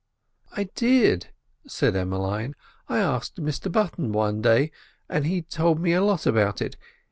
"I did," said Emmeline; "I asked Mr Button one day, and he told me a lot about it.